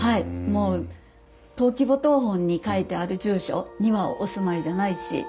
もう登記簿謄本に書いてある住所にはお住まいじゃないし。